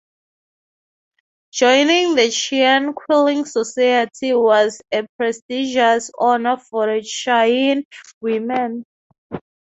Joining the Cheyenne Quilling Society was a prestigious honor for Cheyenne women.